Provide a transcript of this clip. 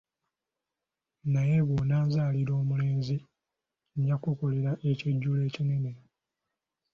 Naye bw'ononzalira omulenzi, nnja kukukolera ekijjulo ekinene.